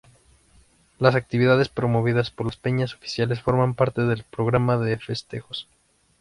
Las actividades promovidas por las peñas oficiales forman parte del programa de festejos.